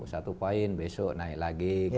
satu poin besok naik lagi